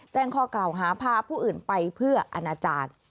แจ้งข้อกล่าวหาพาผู้อื่นไปเพื่ออนาจารย์